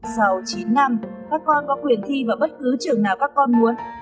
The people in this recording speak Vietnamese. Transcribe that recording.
sau chín năm các con có quyền thi vào bất cứ trường nào các con muốn